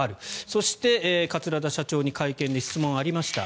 そして桂田社長に会見で質問がありました。